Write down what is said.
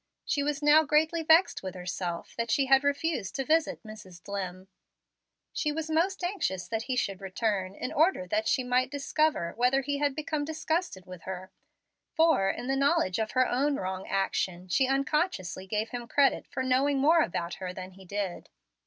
She was now greatly vexed with herself that she had refused to visit Mrs. Dlimm. She was most anxious that he should return, in order that she might discover whether he had become disgusted with her; for, in the knowledge of her own wrong action, she unconsciously gave him credit for knowing more about her than he did.